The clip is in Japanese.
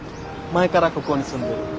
前からここに住んでる。